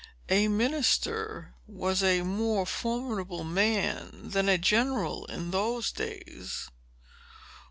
"A minister was a more formidable man than a general, in those days.